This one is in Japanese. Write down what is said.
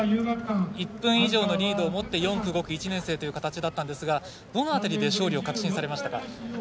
１分以上のリードを持って４区、５区１年生という形だったんですがどの辺りで勝利を確信されましたか？